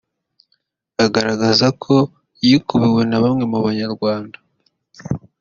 agaragara ko yikubiwe na bamwe mu banyarwanda